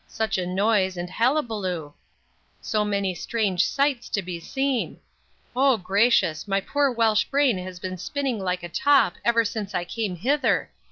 Such a noise, and haliballoo! So many strange sites to be seen! O gracious! my poor Welsh brain has been spinning like a top ever since I came hither!